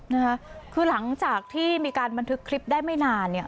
นะคะคือหลังจากที่มีการบันทึกคลิปได้ไม่นานเนี่ย